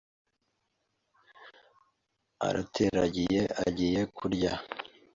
Arateragiye agiye kurya